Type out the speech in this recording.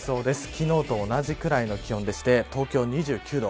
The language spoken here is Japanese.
昨日と同じくらいの気温でして東京２９度。